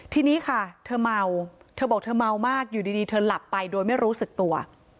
ทีนี้ค่ะเธอเมาเธอบอกเธอเมามากอยู่ดีเธอหลับไปโดยไม่รู้สึกตัว